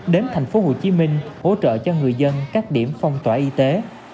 đến tp hcm hỗ trợ cho người dân các điểm phong tỏa y tế